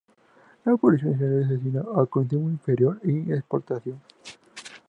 La producción nacional se destina a consumo interior y exportación.